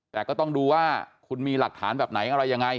แต่ก็ต้องดูว่าคุณมีหลักฐานแบบไหนอะไรยังไง